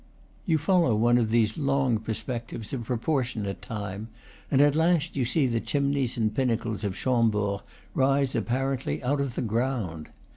You follow one of these long perspectives a proportionate time, and at last you see the chimneys and pinnacles of Chambord rise ap parently out of the ground.